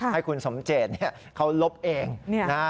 ให้คุณสมเจตเขาลบเองนะฮะ